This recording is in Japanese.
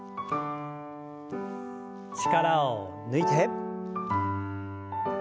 力を抜いて。